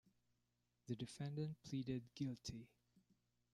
The defendant pleaded guilty.